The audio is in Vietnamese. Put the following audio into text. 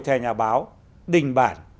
theo nhà báo đình bản